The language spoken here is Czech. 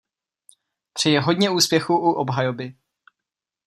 Přeji hodně úspěchu u obhajoby.